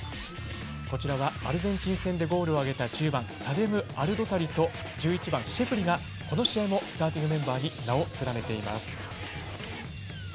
こちらは、アルゼンチン戦でゴールを挙げた中盤サレム・アルドサリと１１番シェフリがこの試合もスターティングメンバーに名を連ねています。